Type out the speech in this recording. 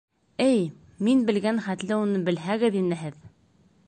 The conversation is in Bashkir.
Эй, мин белгән хәтле уны белһәгеҙ ине һеҙ.